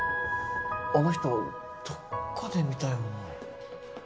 あの人どっかで見たような。